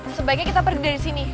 sebaiknya kita pergi dari sini